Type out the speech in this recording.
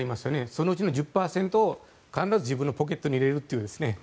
そのうちの１０％を必ず自分のポケットに入れるという。